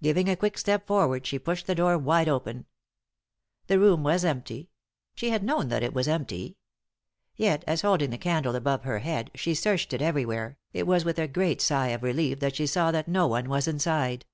Giving a quick step forward, she pushed the door wide open. The room was empty — she had known that it was empty. Yet, as holding the candle above her head, she searched it everywhere, it was with a great sigh of relief that she saw that no one was inside.